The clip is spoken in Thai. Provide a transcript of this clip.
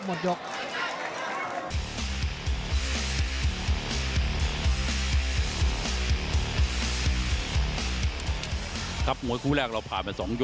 สวัสดีครับสวัสดีครับสวัสดีครับ